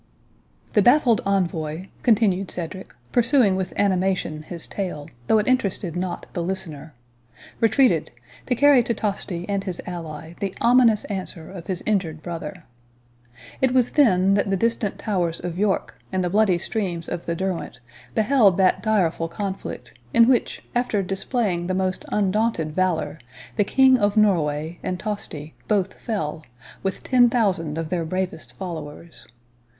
"The baffled envoy," continued Cedric, pursuing with animation his tale, though it interested not the listener, "retreated, to carry to Tosti and his ally the ominous answer of his injured brother. It was then that the distant towers of York, and the bloody streams of the Derwent, 26 beheld that direful conflict, in which, after displaying the most undaunted valour, the King of Norway, and Tosti, both fell, with ten thousand of their bravest followers.